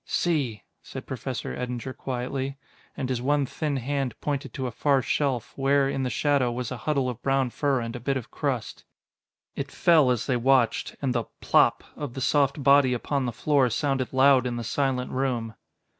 "See," said Professor Eddinger quietly. And his one thin hand pointed to a far shelf, where, in the shadow, was a huddle of brown fur and a bit of crust. It fell as they watched, and the "plop" of the soft body upon the floor sounded loud in the silent room.